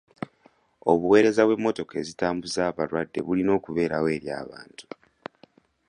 Obuweereza bw'emmotoka ezitambuza balwadde bulina okubeerawo eri abantu.